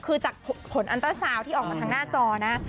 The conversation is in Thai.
คือจากผลอันเตอร์ซาวน์ที่ออกมาทางหน้าจอนะ